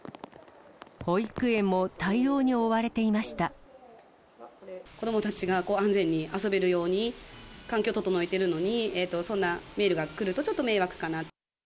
保育園も対応に追われていま子どもたちが安全に遊べるように、環境を整えているのに、そんなメールが来ると、ちょっと迷惑かな。